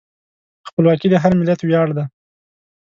خپلواکي د هر ملت ویاړ دی.